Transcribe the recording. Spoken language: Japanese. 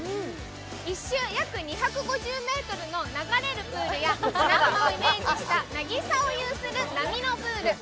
１周約２５０ｍの流れるプールや砂浜を有する渚を有する波のプール。